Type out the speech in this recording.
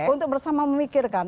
untuk bersama memikirkan